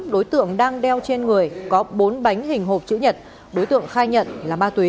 một đối tượng có hành vi mua bán trái phép bốn bánh heroin vừa bị phòng cảnh sát điều tra tội phạm về ma túy